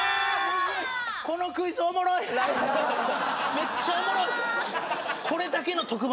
めっちゃおもろい！